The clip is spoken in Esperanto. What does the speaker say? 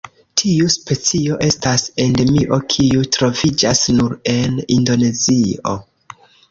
Tiu specio estas Endemio kiu troviĝas nur en Indonezio.